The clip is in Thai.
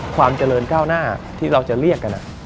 ความเจริญก้าวหน้าที่เราจะเรียกกัน